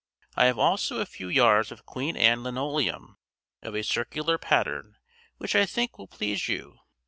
I have also a few yards of Queen Anne linoleum of a circular pattern which I think will please you.